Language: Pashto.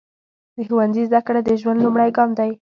د ښوونځي زده کړه د ژوند لومړی ګام دی.